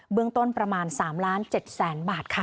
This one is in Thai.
เบื้องต้นประมาณ๓๗๐๐๐๐๐บาทค่ะ